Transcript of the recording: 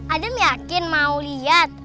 adam yakin mau lihat